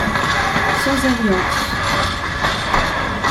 Sans alliance.